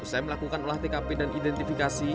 usai melakukan olah tkp dan identifikasi